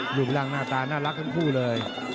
หยุดล่างหน้าตาน่ารักกันคู่เลย